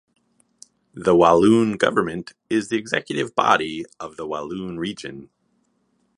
The Walloon Government is the executive body of the Walloon Region.